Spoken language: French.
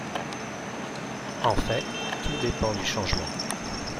En fait, tout dépend du changement.